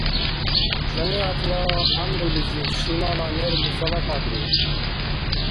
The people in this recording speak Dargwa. Жамигӏятла гӏямрулизиб шимала мер-мусала кьадри